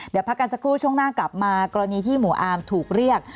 เดี๋ยวพักกันสักครู่ช่วงหน้ากลับมากรณีที่หมู่อาร์มถูกเรียก